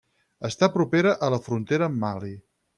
Està propera a la frontera amb Mali.